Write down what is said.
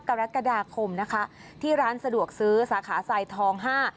กรกฎาคมนะคะที่ร้านสะดวกซื้อสาขาทรายทองห้า